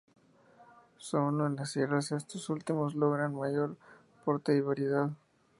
Solo en las sierras estos últimos logran mayor porte y variedad.